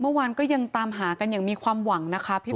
เมื่อวานก็ยังตามหากันอย่างมีความหวังนะคะพี่